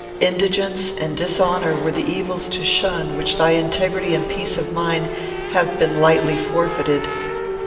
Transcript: Indigence and dishonour were the evils to shun which thy integrity and peace of mind have been lightly forfeited.